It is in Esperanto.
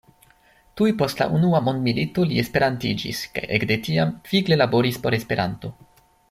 Tuj post la unua mondmilito li esperantiĝis, kaj ekde tiam vigle laboris por Esperanto.